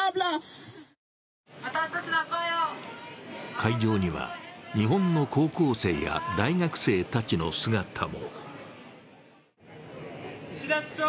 会場には日本の高校生や大学生たちの姿も。